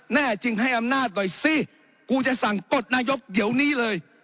แน่จึงให้อำนาจหน่อยสิกูจะสั่งปลดนายกเดี๋ยวนี้เลย